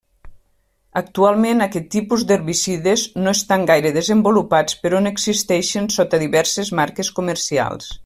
Actualment aquest tipus d'herbicides no estan gaire desenvolupats però n'existeixen sota diverses marques comercials.